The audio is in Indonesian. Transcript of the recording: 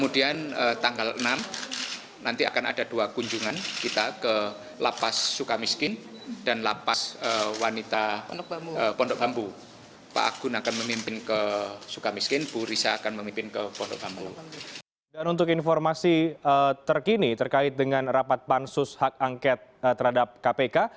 dan untuk informasi terkini terkait dengan rapat pansus hak angket terhadap kpk